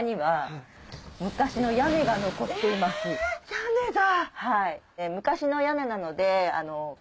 屋根だ！